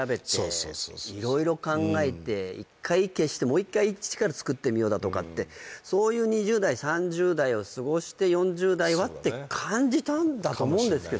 そう色々考えて一回消してうんもう一回一から作ってみようだとかってそういう２０代３０代を過ごして４０代はってそうだねかもしんないね感じたんだと思うんですけどもね